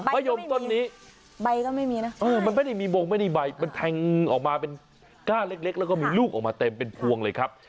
มะยมต้นนี้ใบก็ไม่มีนะเออมันไม่ได้มีบงไม่ได้ใบมันแทงออกมาเป็นก้าเล็กแล้วก็มีลูกออกมาเต็มเป็นพวงเลยครับ